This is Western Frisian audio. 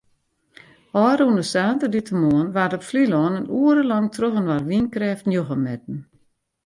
Ofrûne saterdeitemoarn waard op Flylân in oere lang trochinoar wynkrêft njoggen metten.